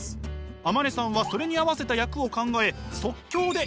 天希さんはそれに合わせた役を考え即興で演技。